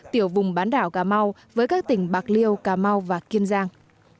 tiểu vùng bán đảo cà mau với các tỉnh bạc liêu cà mau và kiên giang